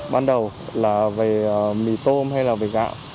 ban đầu là về mì tôm hay là về gạo